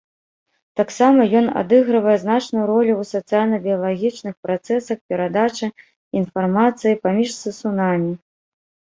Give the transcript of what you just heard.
Таксама ён адыгрывае значную ролю ў сацыяльна-біялагічных працэсах перадачы інфармацыі паміж сысунамі.